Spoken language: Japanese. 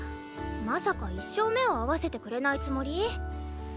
まさか一生目を合わせてくれないつもり？